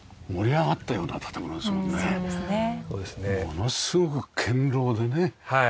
ものすごく堅牢でね。